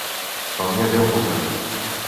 Com hi ha Déu, que ho faré!